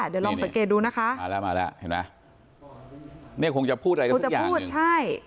เดี๋ยวลองสังเกตดูนะคะมาแล้วนี่คงจะพูดอะไรกันสักอย่าง